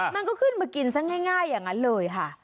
มันก็ขึ้นมากินซะง่ายอย่างนั้นเลยค่ะ